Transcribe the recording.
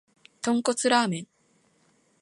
豚骨ラーメン